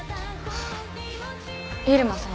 入間さん。